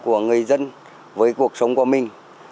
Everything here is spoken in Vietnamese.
của người dân với cuộc sống của mình